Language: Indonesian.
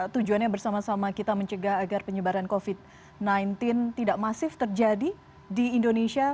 tujuannya bersama sama kita mencegah agar penyebaran covid sembilan belas tidak masif terjadi di indonesia